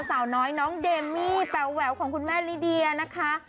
สาวน้อยน้องเดมมี่แป๋วของคุณแม่ลิเดียนะคะ